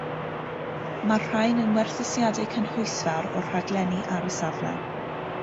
Mae'r rhain yn werthusiadau cynhwysfawr o'r rhaglenni ar y safle.